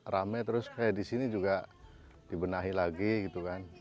rame terus kayak di sini juga dibenahi lagi gitu kan